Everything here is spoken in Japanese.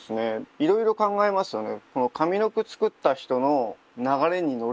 いろいろ考えますよね。